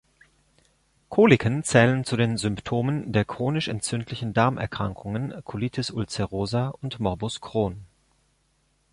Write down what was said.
Koliken zählen zu den Symptomen der chronisch-entzündlichen Darmerkrankungen Colitis ulcerosa und Morbus Crohn.